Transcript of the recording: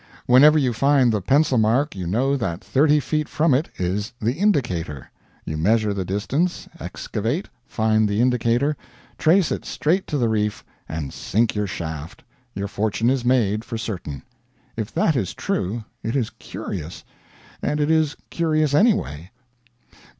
Whenever you find the Pencil Mark you know that thirty feet from it is the Indicator; you measure the distance, excavate, find the Indicator, trace it straight to the reef, and sink your shaft; your fortune is made, for certain. If that is true, it is curious. And it is curious anyway.